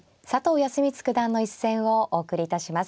康光九段の一戦をお送りいたします。